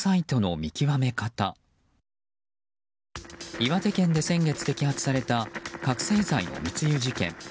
岩手県で先月摘発された覚醒剤の密輸事件。